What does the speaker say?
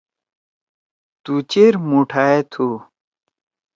تُو چیر مُوٹھائے تُھو۔